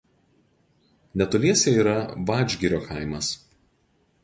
Netoliese yra Vadžgirio kaimas.